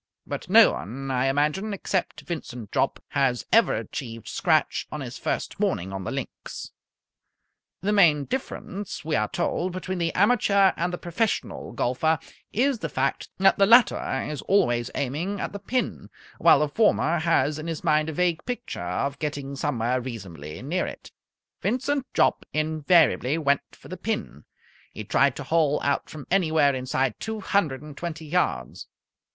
But no one, I imagine, except Vincent Jopp, has ever achieved scratch on his first morning on the links. The main difference, we are told, between the amateur and the professional golfer is the fact that the latter is always aiming at the pin, while the former has in his mind a vague picture of getting somewhere reasonably near it. Vincent Jopp invariably went for the pin. He tried to hole out from anywhere inside two hundred and twenty yards.